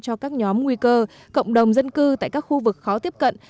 cho các nhóm nguy cơ cộng đồng dân cư tại các khu vực khó tiếp cận